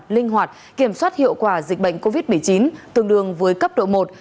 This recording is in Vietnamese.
linh hoạt kiểm soát hiệu quả dịch bệnh covid một mươi chín tương đương với cấp độ một